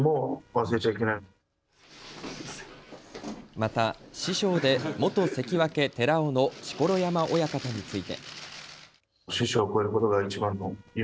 また、師匠で元関脇・寺尾の錣山親方について。